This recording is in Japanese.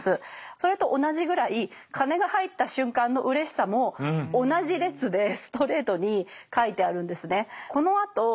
それと同じぐらい金が入った瞬間のうれしさも同じ列でストレートに書いてあるんですね。